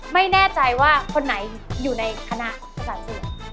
ไม่แน่ใจว่าคนไหนอยู่ในคณะภาษาศิลป์